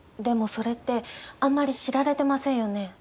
でもそれってあんまり知られてませんよね。